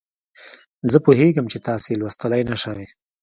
زه پوهیږم چې تاسې یې لوستلای نه شئ.